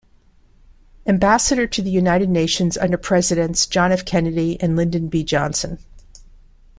Ambassador to the United Nations under Presidents John F. Kennedy and Lyndon B. Johnson.